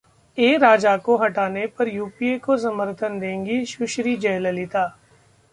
ए राजा को हटाने पर यूपीए को समर्थन देंगी सुश्री जयललिता